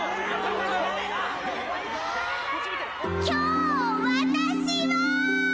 今日私は！